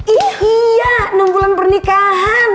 iya enam bulan pernikahan